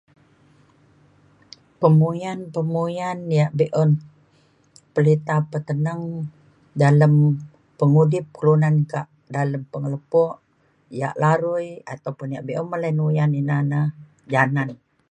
pemuyan-pemuyan ya' be'un perita peteneng dalem pengudip kelunan ka' dalem pengelepuk ia' larui ataupun be'un bele oyan ina na janan.